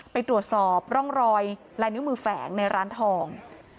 ไปตรวจสอบร่องรอยลายนิ้วมือแฝงในร้านทอง